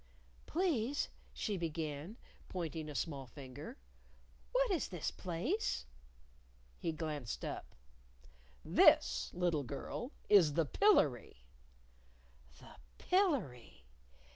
"Please," she began, pointing a small finger, "what is this place?" He glanced up. "This, little girl, is the Pillery." The Pillery!